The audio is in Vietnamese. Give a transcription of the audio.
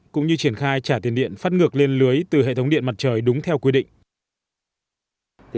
cũng như triển khai trả tiền điện phát ngược lên lưới từ hệ thống điện mặt trời đúng theo quy định